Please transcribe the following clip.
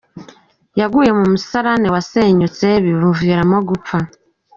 Yaguye mu musarane wasenyutse bimuviramo gupfa